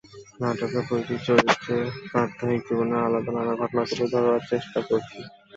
নাটকে প্রতিটি চরিত্রের প্রাত্যহিক জীবনের আলাদা নানা ঘটনা তুলে ধরার চেষ্টা করছি।